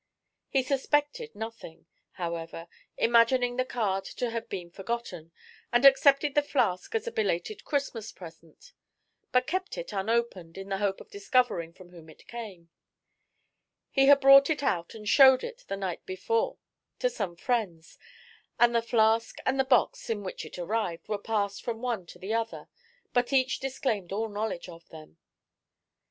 He suspected nothing, however, imagining the card to have been forgotten, and accepted the flask as a belated Christmas present; but kept it unopened, in the hope of discovering from whom it came. He had brought it out and showed it the night before to some friends, and the flask and the box in which it arrived were passed from one to the other, but each disclaimed all knowledge of them.